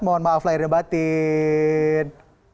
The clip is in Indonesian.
mohon maaf lahir dan batin